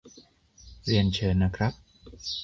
เรียนเชิญนะครับ